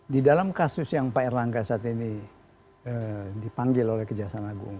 di dalam kasus yang pak erlangga saat ini dipanggil oleh kejaksaan agung